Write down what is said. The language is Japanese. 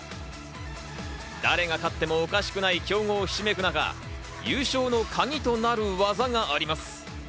誰が勝ってもおかしくない強豪ひしめく中、優勝のカギとなる技があります。